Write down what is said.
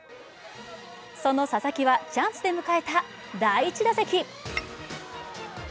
その佐々木はチャンスで迎えた第１打席。